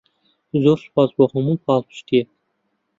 زۆر سوپاس بۆ هەموو پاڵپشتییەک.